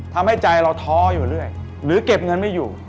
ทำให้ใจเราท้ออยู่เรื่อยหรือเก็บเงินไม่อยู่